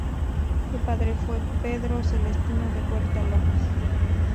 Su padre fue Pedro Celestino de Huerta López.